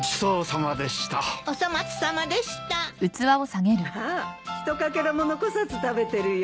・まあひとかけらも残さず食べてるよ。